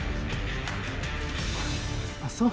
あっそう？